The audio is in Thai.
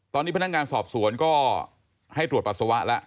ตอนนี้พนักงานสอบสวนก็ให้ตรวจปัสสาวะแล้ว